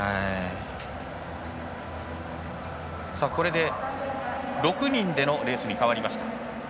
これで６人でのレースに変わりました。